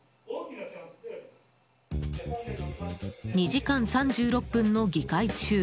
２時間３６分の議会中